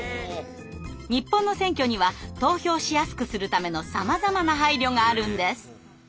日本の選挙には投票しやすくするためのさまざまな配慮があるんです！